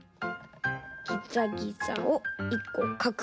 ギザギザを１こかく。